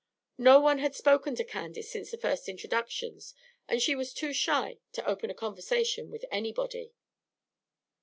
No one had spoken to Candace since the first introductions, and she was too shy to open a conversation with anybody.